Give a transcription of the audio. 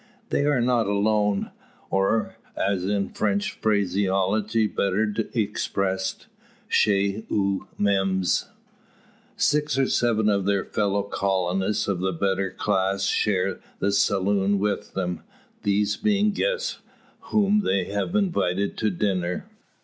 They are not alone, or, as in French phraseology better expressed, chez eux memes. Six or seven of their fellow colonists of the better class share the saloon with them these being guests whom they have invited to dinner.